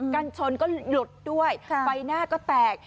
กันชนก็หลุดด้วยใบหน้าก็แตก